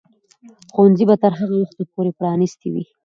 ښوونځي به تر هغه وخته پورې پرانیستي وي.